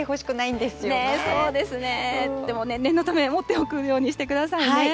でも、念のため持っておくようにしてくださいね。